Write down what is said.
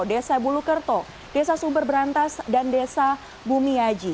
desa bulukerto desa subar berantas dan desa bumi yaji